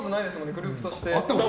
グループとして。